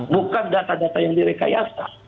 bukan data data yang direkayasa